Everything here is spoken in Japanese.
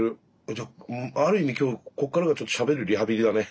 じゃあある意味きょうこっからがちょっとしゃべるリハビリだね。